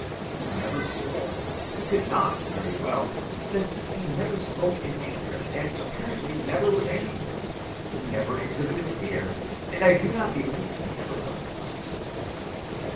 He never swore. He could not very well, since he never spoke in anger and apparently never was angry. He never exhibited fear, and I do not believe he ever felt it."